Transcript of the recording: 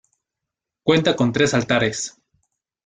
Cuenta con tres altares.